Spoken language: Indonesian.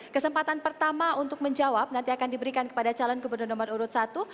kesempatan pertama untuk menjawab nanti akan diberikan kepada calon gubernur nomor urut satu